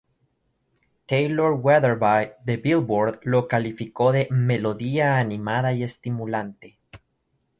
Taylor Weatherby, de Billboard, lo calificó de "melodía animada y estimulante".